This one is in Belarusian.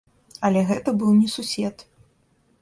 Але гэта быў не сусед.